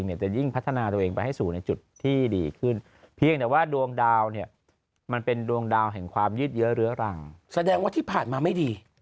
ตัวเองเนี่ยจริงพัฒนาวันเองไปให้สู่ในจุดที่ดีขึ้นเพียงแต่ว่าดวงดาวเนี่ยมันเป็นดวงดาวแห่งความยึดภรรยาหรังซัดที่ผ่านมันไม่ดี